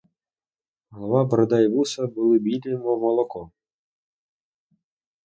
Голова, борода і вуса були білі, мов молоко.